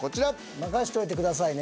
任しといてくださいね